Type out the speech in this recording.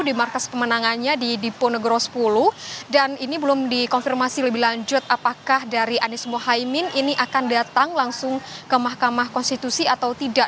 di markas pemenangannya di diponegoro sepuluh dan ini belum dikonfirmasi lebih lanjut apakah dari anies mohaimin ini akan datang langsung ke mahkamah konstitusi atau tidak